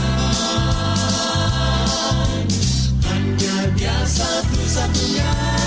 hanya dia satu satunya